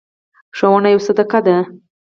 ښوونه یوه صدقه ده.